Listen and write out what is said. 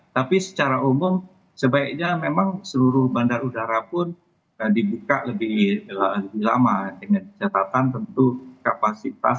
tapi secara umum sebaiknya memang seluruh bandar udara pun dibuka lebih lama dengan catatan tentu kapasitas